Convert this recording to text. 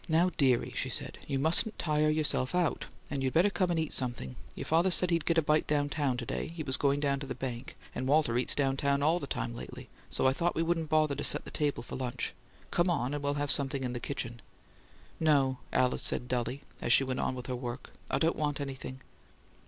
"Now, dearie," she said, "you mustn't tire yourself out, and you'd better come and eat something. Your father said he'd get a bite down town to day he was going down to the bank and Walter eats down town all the time lately, so I thought we wouldn't bother to set the table for lunch. Come on and we'll have something in the kitchen." "No," Alice said, dully, as she went on with the work. "I don't want anything."